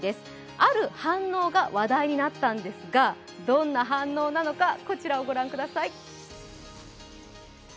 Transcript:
ある反応が話題になったんですがどんな反応なのかこちらをご覧ください。